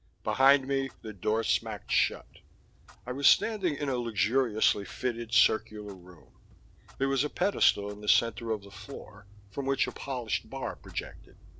Behind me, the door smacked shut. I was standing in a luxuriously fitted circular room. There was a pedestal in the center of the floor, from which a polished bar projected.